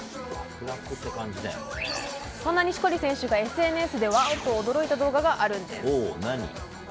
そんな錦織選手がＳＮＳでワオ！と驚いた動画があるんです。